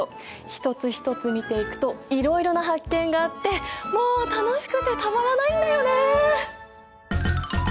一つ一つ見ていくといろいろな発見があってもう楽しくてたまらないんだよね。